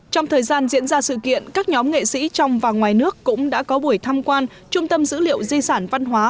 trong thời gian diễn ra sự kiện các nhóm nghệ sĩ trong và ngoài nước cũng đã có buổi tham quan trung tâm dữ liệu di sản văn hóa